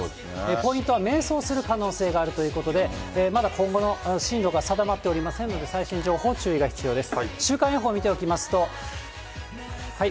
ポイントは迷走する可能性があるということで、まだ今後の進路が定まっておりませんので、最新情報、注意が必要です。